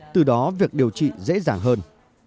từ đó việc điều trị dễ dàng hơn